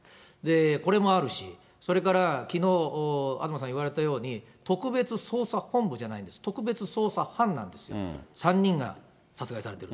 これもあるし、それからきのう、東さん言われたように、特別捜査本部じゃないんです、特別捜査班なんですよ、３人が殺害されてる。